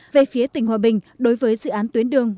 về phía tỉnh hòa bình đối với dự án tuyến đường